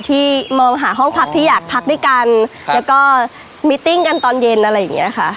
ที่มองหาห้องพักที่อยากพักด้วยกันแล้วก็มิตติ้งกันตอนเย็นอะไรอย่างเงี้ยค่ะ